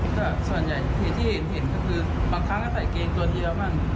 แต่ส่วนใหญ่ที่เห็นก็คือบางครั้งก็ใส่เกงตัวเดียวบ้าง